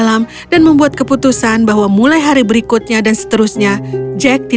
aku akan mulai mandi